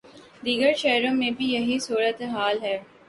دیگر شہروں میں بھی یہی صورت حال ہے۔